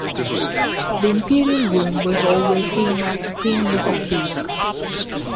The Imperial Room was always seen as the premiere of these.